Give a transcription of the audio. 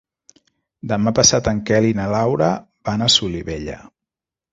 Demà passat en Quel i na Laura van a Solivella.